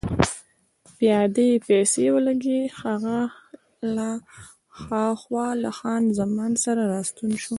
پیاده يې پسې ولېږه، هغه له هاخوا له خان زمان سره راستون شو.